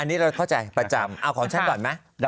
อันนี้เราเข้าใจประจำเอาของฉันก่อนไหม